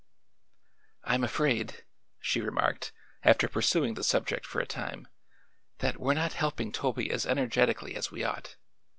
"I'm afraid," she remarked, after pursuing the subject for a time, "that we're not helping Toby as energetically as we ought.